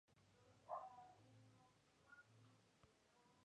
Por fuera del inmueble se colocan puestos ambulantes.